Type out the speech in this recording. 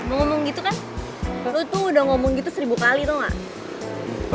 lo ngomong gitu kan lo tuh udah ngomong gitu seribu kali tau gak